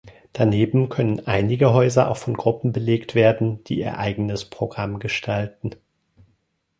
Daneben können einige Häuser auch von Gruppen belegt werden, die ihr eigenes Programm gestalten.